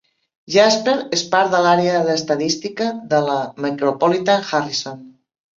Jasper és part de l'àrea d'Estadística de la Micropolitan Harrison.